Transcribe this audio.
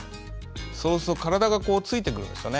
そうすると体がついてくるんです。